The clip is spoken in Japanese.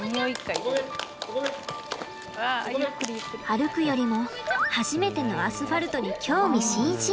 歩くよりも初めてのアスファルトに興味津々。